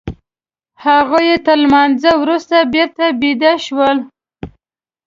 هغوی تر لمانځه وروسته بېرته بيده شول.